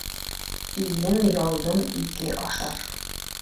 Илем-ялдым ике ашар